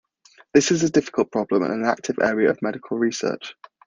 This is a difficult problem and an active area of medical research.